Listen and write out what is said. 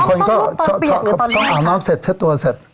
ก็ต้องอาบน้ำเสร็จให้ตัวเสร็จ